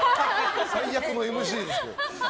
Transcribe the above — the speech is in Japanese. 最悪のＭＣですけど。